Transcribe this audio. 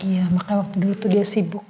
iya maka waktu dulu tuh dia sibuk